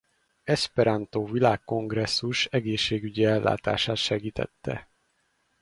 Eszperantó Világkongresszus egészségügyi ellátását segítette.